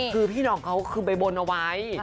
คือพี่น้องเขาคือไปบนเอาไว้